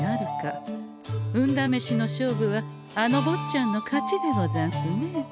運だめしの勝負はあのぼっちゃんの勝ちでござんすね。